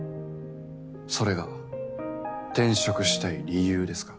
それが転職したい理由ですか？